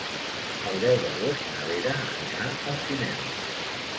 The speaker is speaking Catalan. El deu d'agost na Vera anirà al cinema.